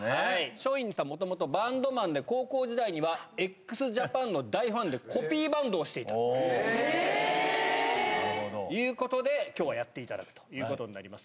松陰寺さん、もともとバンドマンで、高校時代にはＸＪＡＰＡＮの大ファンで、コピーバンドをしていたということで、きょうはやっていただくということになります。